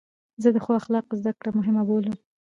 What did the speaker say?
زه د ښو اخلاقو زدکړه مهمه بولم.